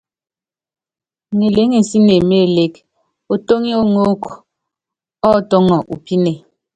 Ŋeléŋensíne mé elék, Otóŋip oŋók ɔ́ tɔ́ŋɔ u píne.